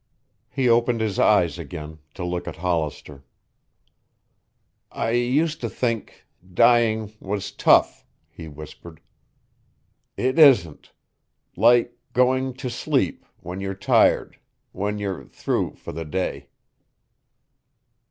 He opened his eyes again, to look at Hollister. "I used to think dying was tough," he whispered. "It isn't. Like going to sleep when you're tired when you're through for the day."